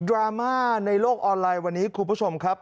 ราม่าในโลกออนไลน์วันนี้คุณผู้ชมครับ